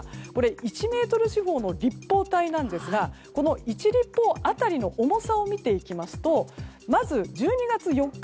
１ｍ四方の立方体なんですがこの１立方当たりの重さを見ていきますとまず１２月４日